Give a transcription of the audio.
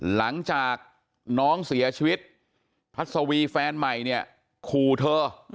หลังจากน้องเสียชีวิตพัศวีแฟนใหม่เนี่ยขู่เธอ